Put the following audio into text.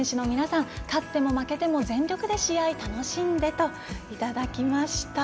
選手の皆さん勝っても負けても全力で試合楽しんでといただきました。